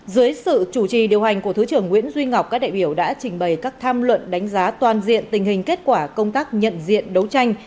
dưới sự chủ trì điều hành của thứ trưởng nguyễn duy ngọc các đại biểu đã trình bày các tham luận đánh giá toàn diện tình hình kết quả công tác nhận diện đấu tranh